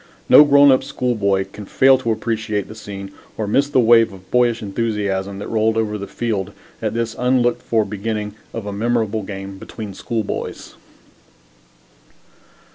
No grown up schoolboy can fail to appreciate the scene or miss the wave of boyish enthusiasm that rolled over the field at this unlooked for beginning of a memorable game between schoolboys.